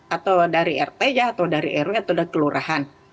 atau dari rt nya atau dari rw atau dari kelurahan